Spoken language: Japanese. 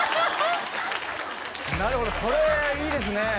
なるほどそれいいですね